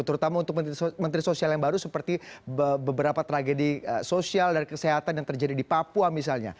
terutama untuk menteri sosial yang baru seperti beberapa tragedi sosial dan kesehatan yang terjadi di papua misalnya